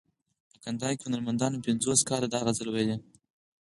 په کندهار کې هنرمندانو پنځوس کاله دا غزل ویلی.